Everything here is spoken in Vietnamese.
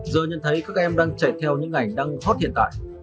giờ nhận thấy các em đang chạy theo những ngành đang hot hiện tại